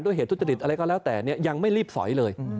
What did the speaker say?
เหตุทุจริตอะไรก็แล้วแต่ยังไม่รีบสอยเลย